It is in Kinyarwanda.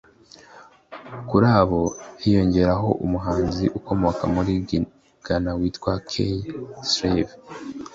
Kuri abo hiyongeraho umuhanzi ukomoka muri Ghana witwa Kaye Styles